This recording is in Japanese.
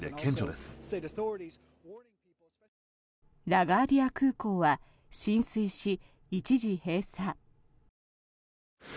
ラガーディア空港は浸水し一時、閉鎖。